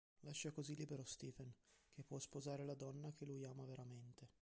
Lascia così libero Stephen che può sposare la donna che lui ama veramente.